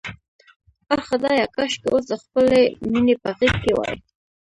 آه خدایه، کاشکې اوس د خپلې مینې په غېږ کې وای.